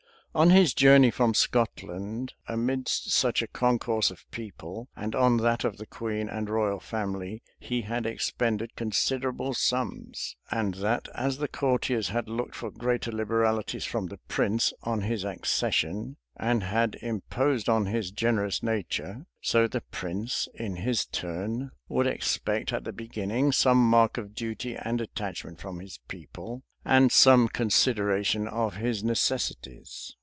On his journey from Scotland, amidst such a concourse of people, and on that of the queen and royal family he had expended considerable sums; and that, as the courtiers had looked for greater liberalities from the prince on his accession, and had imposed on his generous nature, so the prince, in his turn, would expect, at the beginning, some mark of duty and attachment from his people, and some consideration of his necessities.